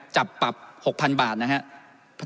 จับปรับ๖๐๐๐บาทนะฮะ